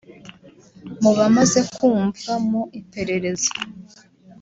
Mu bamaze kumvwa mu iperereza